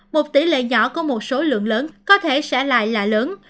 một tỷ lệ nhỏ của một số lượng lớn có thể sẽ lại là lớn